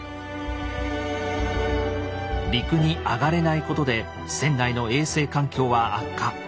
陸に上がれないことで船内の衛生環境は悪化。